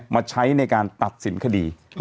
มาใช้ในการตัดสินคดี